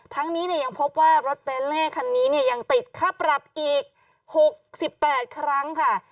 ทั้งนี้ยังพบว่ารถเบนเล่คันนี้เนี่ยยังติดค่าปรับอีก๖๘ครั้งค่ะ